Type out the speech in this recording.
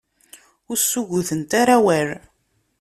Ur ssuggutent ara awal.